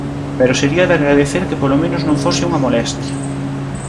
Pero sería de agradecer que polo menos non fose unha molestia.